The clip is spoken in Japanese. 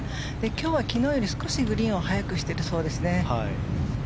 今日は昨日より少しグリーンを速くしているそうです。